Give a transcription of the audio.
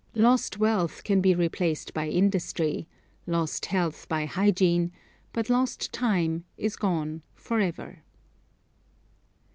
Lost wealth can be replaced by industry; lost health by hygiene; but lost time is gone forever.